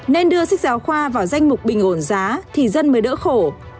nên đưa sách giáo khoa vào danh mục bình ổn giá thì dân mới đỡ khổ